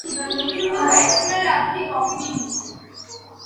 Tutto questo nell'arco di pochi minuti.